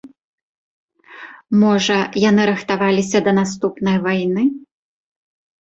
Можа, яны рыхтаваліся да наступнай вайны?